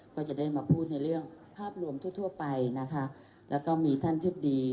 ก็จะได้มาพูดในเรื่องภาพรวมทั่วทั่วไปนะคะแล้วก็มีท่านทิบดี